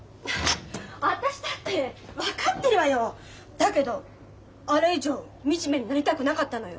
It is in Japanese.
だけどあれ以上みじめになりたくなかったのよ。